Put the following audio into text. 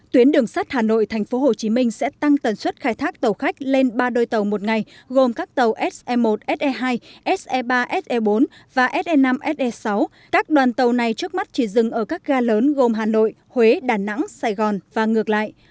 tuyến đường sắt hà nội tp hcm sẽ tăng tần suất khai thác tàu khách lên ba đôi tàu một ngày gồm các tàu se một se hai se ba se bốn và se năm se sáu các đoàn tàu này trước mắt chỉ dừng ở các ga lớn gồm hà nội huế đà nẵng sài gòn và ngược lại